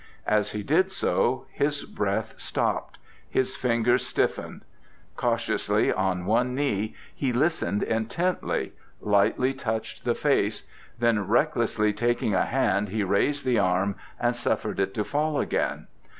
As he did so his breath stopped; his fingers stiffened. Cautiously, on one knee, he listened intently, lightly touched the face; then recklessly taking a hand he raised the arm and suffered it to fall again.